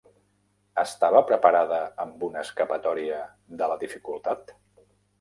Estava preparada amb una escapatòria de la dificultat?